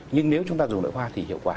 nhưng nếu chúng ta dùng nội hoa thì hiệu quả